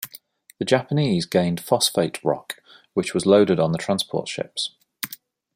The Japanese gained phosphate rock which was loaded on the transport ships.